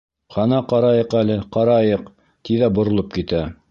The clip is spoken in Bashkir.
Ҡана, ҡарайыҡ әле, ҡарайыҡ... — ти ҙә боролоп китә.